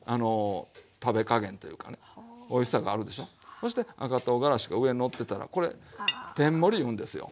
そして赤とうがらしが上にのってたらこれ天盛りいうんですよ。